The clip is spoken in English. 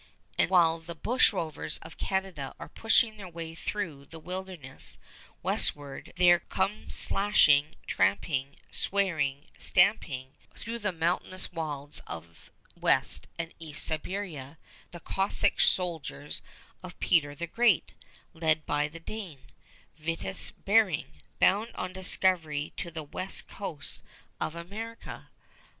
And while the bushrovers of Canada are pushing their way through the wilderness westward, there come slashing, tramping, swearing, stamping through the mountainous wilds of West and East Siberia the Cossack soldiers of Peter the Great, led by the Dane, Vitus Bering, bound on discovery to the west coast of America.